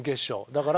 だから。